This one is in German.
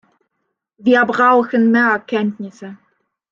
Wir brauchen mehr Kenntnisse.